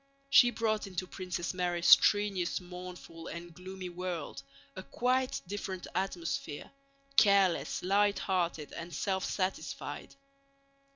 She brought into Princess Mary's strenuous, mournful, and gloomy world a quite different atmosphere, careless, lighthearted, and self satisfied.